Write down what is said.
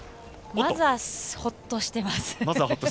まずは、ほっとしています。